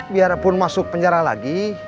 biarpun masuk penjara lagi